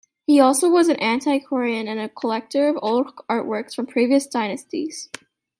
He also was an antiquarian and collector of old artworks from previous dynasties.